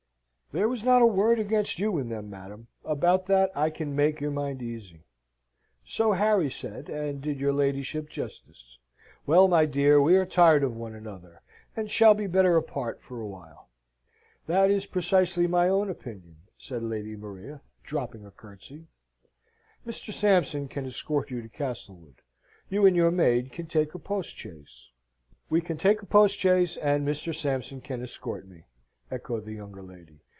"There was not a word against you in them, madam: about that I can make your mind easy." "So Harry said, and did your ladyship justice. Well, my dear, we are tired of one another, and shall be better apart for a while." "That is precisely my own opinion," said Lady Maria, dropping a curtsey. "Mr. Sampson can escort you to Castlewood. You and your maid can take a postchaise." "We can take a postchaise, and Mr. Sampson can escort me," echoed the younger lady.